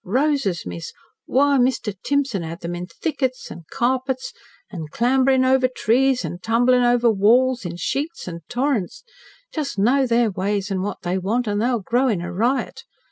Roses, miss why, Mr. Timson had them in thickets an' carpets an' clambering over trees and tumbling over walls in sheets an' torrents just know their ways an' what they want, an' they'll grow in a riot.